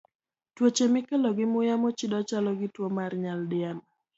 Tuoche mikelo gi muya mochido chalo gi tuwo mar nyaldiema.